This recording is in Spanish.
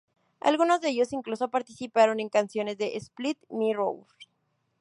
Algunos de ellos incluso participaron en canciones de Split Mirrors.